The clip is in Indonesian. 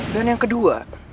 dan yang kedua